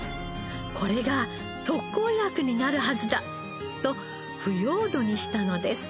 これが特効薬になるはずだ！と腐葉土にしたのです。